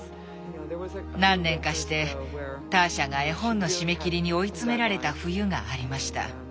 何年かしてターシャが絵本の締め切りに追い詰められた冬がありました。